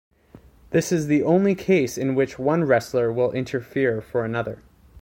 This is the only case in which one wrestler will interfere for another.